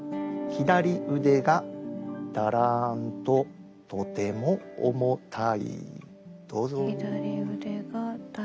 「左腕がだらんととても重たい」。